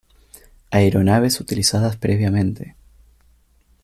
Aeronaves utilizadas previamente